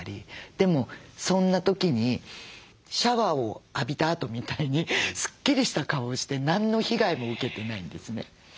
でもそんな時にシャワーを浴びたあとみたいにスッキリした顔して何の被害も受けてないんですね。